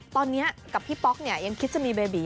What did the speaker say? ตอนนี้กับพี่ป๊อกเนี่ยยังคิดจะมีเบบี